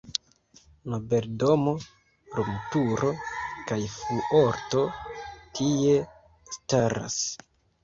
Nobeldomo, lumturo kaj fuorto tie staras.